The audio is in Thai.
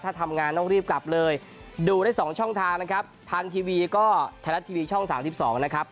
ถ้าทำงานต้องรีบกลับเลยดูได้๒ช่องทางนะครับทางทีวีก็ไทยรัฐทีวีช่อง๓๒นะครับ